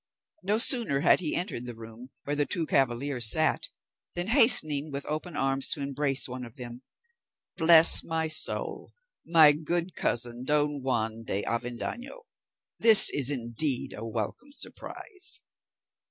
No sooner had he entered the room where the two cavaliers sat, than hastening with open arms to embrace one of them, "Bless my soul! my good cousin Don Juan de Avendaño! This is indeed a welcome surprise."